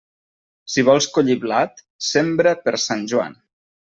Si vols collir blat, sembra per Sant Joan.